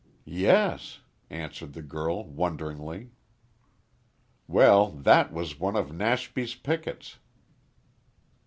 "Yes," answered the girl wonderingly. "Well that was one of Nashby's pickets."